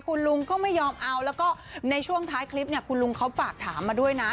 คุณลุงก็ไม่ยอมเอาแล้วก็ในช่วงท้ายคลิปเนี่ยคุณลุงเขาฝากถามมาด้วยนะ